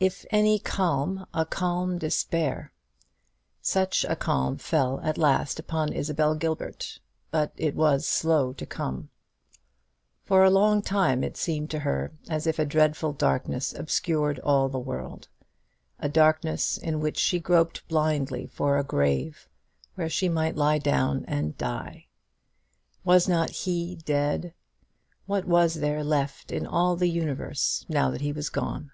"If any calm, a calm despair." Such a calm fell at last upon Isabel Gilbert; but it was slow to come. For a long time it seemed to her as if a dreadful darkness obscured all the world; a darkness in which she groped blindly for a grave, where she might lie down and die. Was not he dead? What was there left in all the universe now that he was gone?